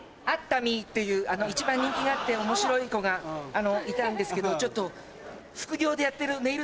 っていう一番人気があって面白い子がいたんですけどちょっと副業でやってる。